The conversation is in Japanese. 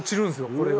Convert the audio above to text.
これが。